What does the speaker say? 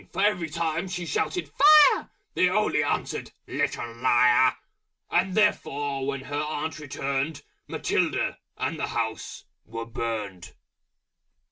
For every time She shouted "Fire!" They only answered "Little Liar!" And therefore when her Aunt returned, Matilda, and the House, were Burned.